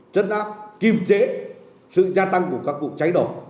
chấn áp kiềm chế sự gia tăng của các vụ cháy nổ